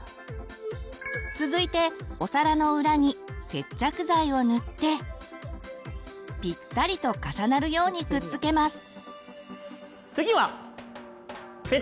続いてお皿の裏に接着剤を塗ってピッタリと重なるようにくっつけます。